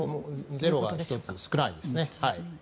ゼロが１つ少ないですね。